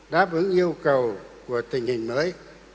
đáp ứng yêu cầu của tình hình mới